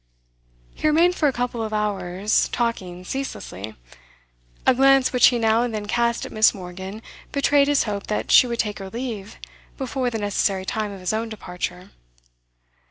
He remained for a couple of hours, talking ceaselessly. A glance which he now and then cast at Miss. Morgan betrayed his hope that she would take her leave before the necessary time of his own departure.